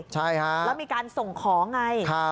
ใช่ฮะแล้วมีการส่งของไง